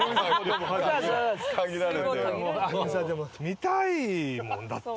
見たいもんだって。